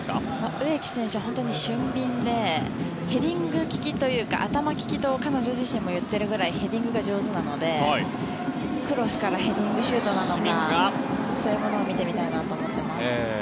植木選手は俊敏でヘディング利きというか頭利きと彼女自身も言っているくらいヘディングが上手なのでクロスからヘディングシュートなどそういうものを見てみたいなと思っています。